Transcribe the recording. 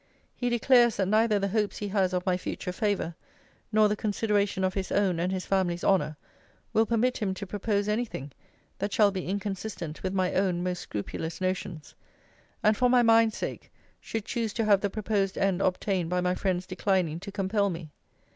He declares, that neither the hopes he has of my future favour, nor the consideration of his own and his family's honour, will permit him to propose any thing that shall be inconsistent with my own most scrupulous notions: and, for my mind's sake, should choose to have the proposed end obtained by my friends declining to compel me.